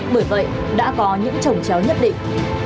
bởi vậy đã có những trồng chéo nhất định